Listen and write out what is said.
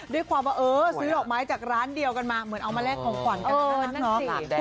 ด้วยความว่าสื้อก้นดอกไม้เหมือนมาของขวานเนอะ